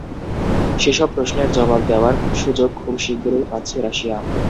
সেসব প্রশ্নের জবাব দেওয়ার সুযোগ খুব শিগগিরই পাচ্ছে রাশিয়া।